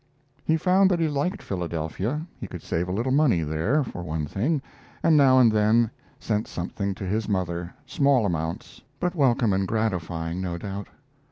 He found that he liked Philadelphia. He could save a little money there, for one thing, and now and then sent something to his mother small amounts, but welcome and gratifying, no doubt.